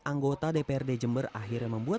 anggota dprd jember akhirnya membuat